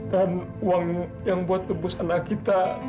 dan uang yang buat tebus anak kita